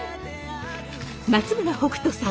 松村北斗さん